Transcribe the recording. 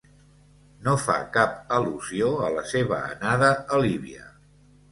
No fa cap al·lusió a la seva anada a Líbia.